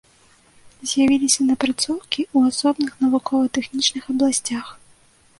З'явіліся напрацоўкі ў асобных навукова-тэхнічных абласцях.